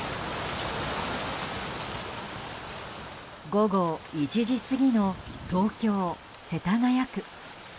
午後１時過ぎの東京・世田谷区。